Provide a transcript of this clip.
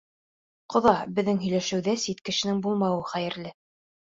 Ҡоҙа, беҙҙең һөйләшеүҙә сит кешенең булмауы хәйерле.